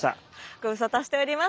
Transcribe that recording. ご無沙汰しております。